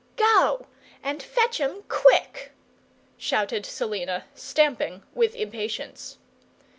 "Go and fetch 'em quick!" shouted Selina, stamping with impatience.